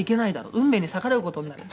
「運命に逆らう事になると。